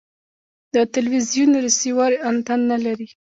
د تلوزیون ریسیور انتن نلري